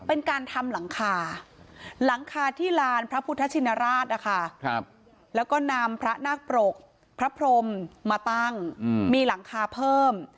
เป็นการทำหลังคาหลังคาที่ลานพระพุทธชินราชนะคะแล้วก็นำพระนาคปรกพระพรมมาตั้งมีหลังคาเพิ่ม